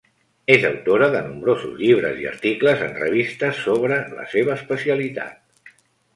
És autora de nombrosos llibres i articles en revistes sobre la seva especialitat.